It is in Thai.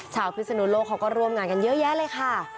พิศนุโลกเขาก็ร่วมงานกันเยอะแยะเลยค่ะ